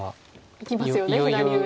いきますよね左上。